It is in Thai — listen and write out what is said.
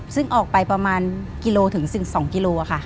ซึ่งออกไปประมาณกิโลถึง๑๒กิโลค่ะ